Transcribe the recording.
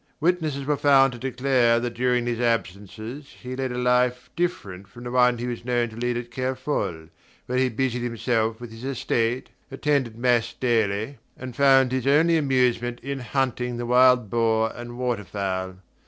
Witnesses were found to declare that during these absences he led a life different from the one he was known to lead at Kerfol, where he busied himself with his estate, attended mass daily, and found his only amusement in hunting the wild boar and water fowl.